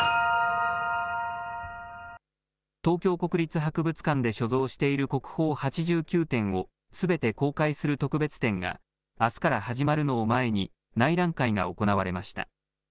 東京国立博物館で所蔵している国宝８９点を、すべて公開する特別展が、あすから始まるのを前に、内覧会が行われました。